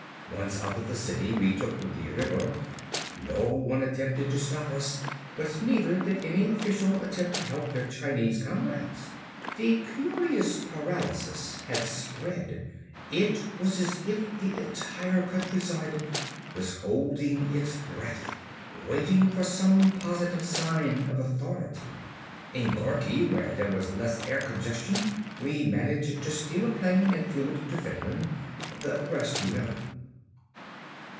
Once out of the city we took to the river. No one attempted to stop us but neither did any official attempt to help their Chinese comrades. The curious paralysis had spread. It was as if the entire countryside was holding its breath, waiting for some positive sign of authority. In Gorki, where there was less air congestion, we managed to steal a plane and flew it to Finland. The rest you know."